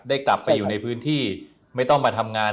กลับไปอยู่ในพื้นที่ไม่ต้องมาทำงาน